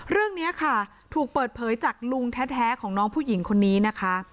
เรื่องนี้ค่ะถูกเปิดเผยจากลุงแท้ของน้องผู้หญิงคนนี้นะคะ